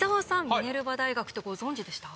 ミネルバ大学ってご存じでした？